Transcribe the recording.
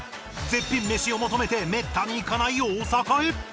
絶品メシを求めてめったに行かない大阪へ